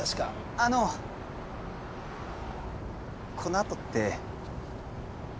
あのこのあとって。